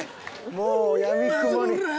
もうやみくもに。